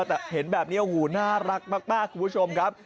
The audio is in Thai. แต่เห็นแบบนี้โอ้โหน่ารักมากคุณผู้ชมครับ